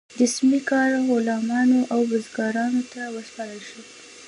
جسمي کار غلامانو او بزګرانو ته وسپارل شو.